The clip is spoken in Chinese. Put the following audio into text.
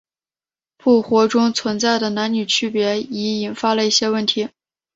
部活中存在的男女区别已引发了一些问题。